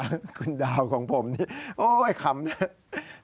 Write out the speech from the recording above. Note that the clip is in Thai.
คุณสุภาษาลาคุณดาวของผมโอ๊ยคำนั้น